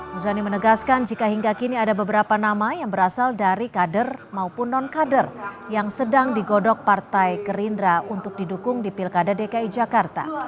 muzani menegaskan jika hingga kini ada beberapa nama yang berasal dari kader maupun non kader yang sedang digodok partai gerindra untuk didukung di pilkada dki jakarta